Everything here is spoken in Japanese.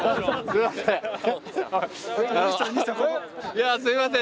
いやすいません